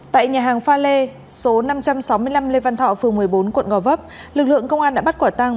tại nhà hàng pha lê số năm trăm sáu mươi năm lê văn thọ phường một mươi bốn quận gò vấp lực lượng công an đã bắt quả tăng